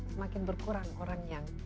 semakin berkurang orang yang